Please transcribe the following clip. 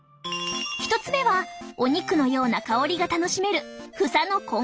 １つ目はお肉のような香りが楽しめる房のこんがり焼き。